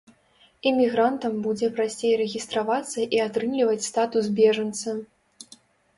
Імігрантам будзе прасцей рэгістравацца і атрымліваць статус бежанца.